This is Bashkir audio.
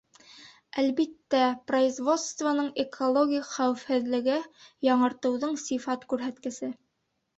Әлбиттә, производствоның экологик хәүефһеҙлеге — яңыртыуҙың сифат күрһәткесе.